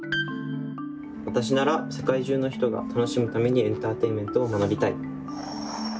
わたしなら世界中の人が楽しむためにエンターテインメントを学びたい。